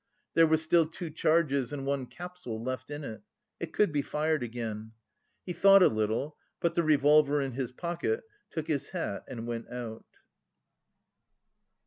There were still two charges and one capsule left in it. It could be fired again. He thought a little, put the revolver in his pocket, took his hat and went out.